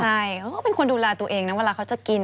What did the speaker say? เขาคือคนดูแลตัวเองแล้วเวลาเขาจะกิน